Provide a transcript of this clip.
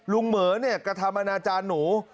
ลุงเหมือนี่กระทำอนาจารย์หนู